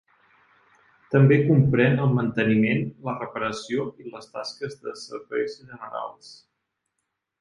També comprèn el manteniment, la reparació i les tasques de serveis generals.